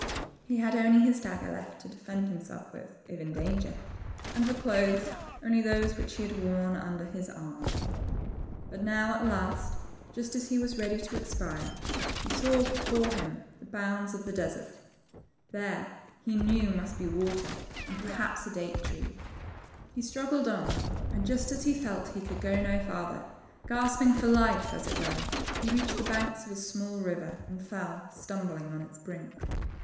He had only his dagger left to defend himself with, if in danger ; and for clothes, only those which he had worn under his armor. But now at last, just as he was ready to expire, he saw before him the bounds of the desert. There, he knew, must be water, and perhaps a date tree. He struggled on, and just as he felt that he could go no farther, gasp ing for life, as it were, he reached the banks of a small river, and fell, stumbling, on its brink.